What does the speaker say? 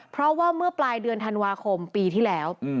เพราะว่าเมื่อปลายเดือนธันวาคมปีที่แล้ว